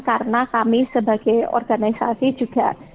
karena kami sebagai organisasi juga